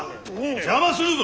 邪魔するぞ。